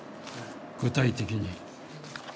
具体的に。